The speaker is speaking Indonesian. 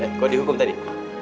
eh kau dihukum tadi